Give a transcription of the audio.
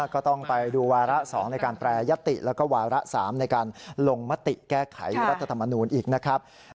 ก็ต้องไปดูวาระ๒ในการแปรยติแล้วก็วาระ๓ในการลงมติแก้ไขรัฐธรรมนูลอีกนะครับ